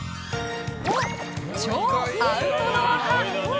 超アウトドア派！